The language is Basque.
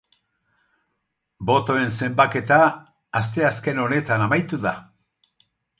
Botoen zenbaketa asteazken honetan amaitu da.